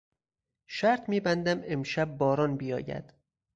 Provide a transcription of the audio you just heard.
شرط میبندم امشب باران بیاید.